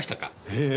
ええ。